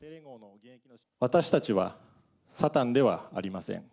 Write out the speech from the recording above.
私たちはサタンではありません。